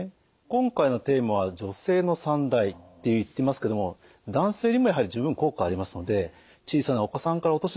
今回のテーマは女性の三大って言ってますけども男性にもやはり十分効果がありますので小さなお子さんからお年寄りまでですね